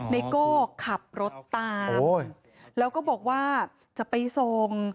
ไโก้ขับรถตามแล้วก็บอกว่าจะไปส่ง